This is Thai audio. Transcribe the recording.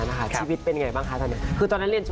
คุณผู้ชมไม่เจนเลยค่ะถ้าลูกคุณออกมาได้มั้ยคะ